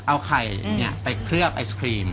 เอาไข่ไปเคลือบไอศครีม